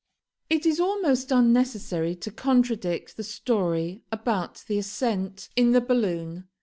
It is almost unnecessary to contradict the story about the ascent in the balloon.